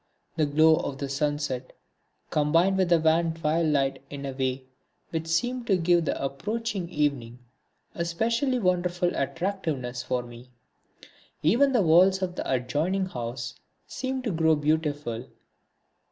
The glow of the sunset combined with the wan twilight in a way which seemed to give the approaching evening a specially wonderful attractiveness for me. Even the walls of the adjoining house seemed to grow beautiful.